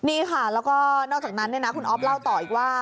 นี่ค่ะแล้วก็นอกจากนั้นคุณอ๊อฟเล่าต่ออีกว่า